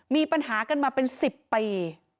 มีปัญหากันมาเป็น๑๐ปี